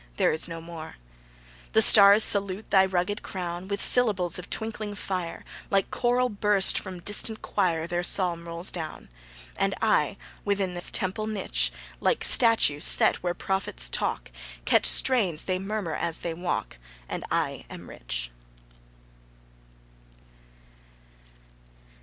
There is no more. The stars salute thy rugged crown With syllables of twinkling fire; Like choral burst from distant choir, Their psalm rolls down. And I within this temple niche, Like statue set where prophets talk, Catch strains they murmur as they walk, And I am rich.